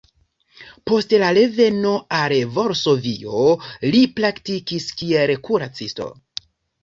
Post la reveno al Varsovio li praktikis kiel kuracisto.